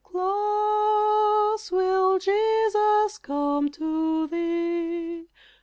How close will Jesus come to thee?